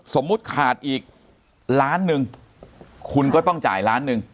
สมมุติขาดอีกล้านหนึ่งคุณก็ต้องจ่ายล้านหนึ่ง